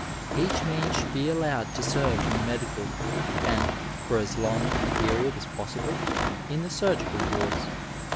Each man should be allowed to serve in the medical, and, for as long a period as possible, in the surgical wards.